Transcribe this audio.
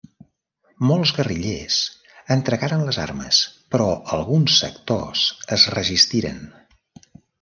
Molts guerrillers entregaren les armes, però alguns sectors es resistiren.